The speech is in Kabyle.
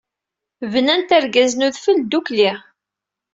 Bnant argaz n udfel ddukkli.